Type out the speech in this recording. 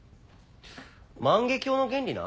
万華鏡の原理な。